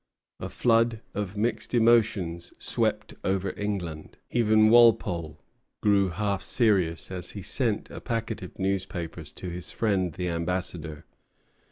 A flood of mixed emotions swept over England. Even Walpole grew half serious as he sent a packet of newspapers to his friend the ambassador.